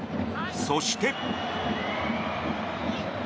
そして。